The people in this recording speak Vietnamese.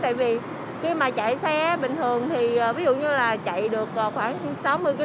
tại vì khi mà chạy xe bình thường thì ví dụ như là chạy được khoảng sáu mươi km trên giờ ví dụ là đường trống